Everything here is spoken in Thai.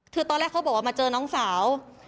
คือตอนแรกเขาบอกว่ามาเจอน้องสาว